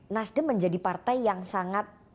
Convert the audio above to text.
nasdem menjadi partai yang sangat